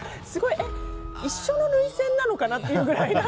すごい、一緒の涙腺なのかなっていうぐらい。